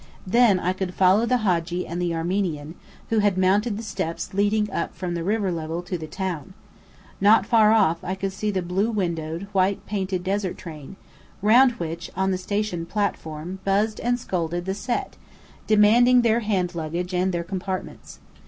Then I could follow the Hadji and the Armenian, who had mounted the steps leading up from river level to the town. Not far off I could see the blue windowed, white painted desert train, round which, on the station platform, buzzed and scolded the Set, demanding their hand luggage and their compartments.